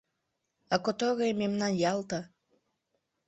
— А которые мемнан ял-то?